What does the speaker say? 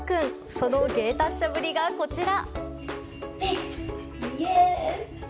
その芸達者ぶりが、こちら。